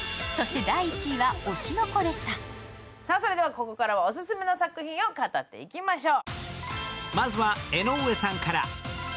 ここからはオススメの作品を語っていきましょう。